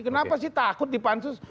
kenapa sih takut di pansus